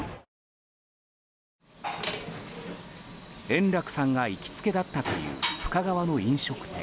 円楽さんが行きつけだったという深川の飲食店。